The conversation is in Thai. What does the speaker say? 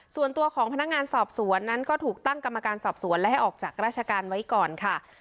ส่วนตัวของพนักงานสอบสวนนั้นก็ถูกตั้งกรรมการสอบสวนและให้ออกจากราชการไว้ก่อนค่ะ